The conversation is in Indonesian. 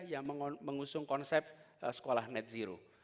yang mengusung konsep sekolah net zero